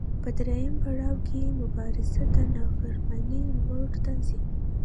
په درېیم پړاو کې مبارزه د نافرمانۍ لور ته ځي.